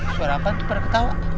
suara apa itu pada ketawa